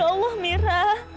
ya allah mira